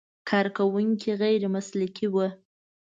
کارکوونکي غیر مسلکي و.